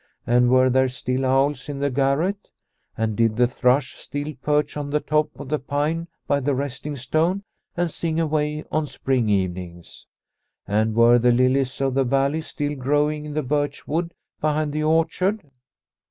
And were there still owls in the garret ? and did the thrush still perch on the top of the pine by the Resting Stone and sing away on spring even ings ? And were the lilies of the valley still growing in the birch wood behind the orchard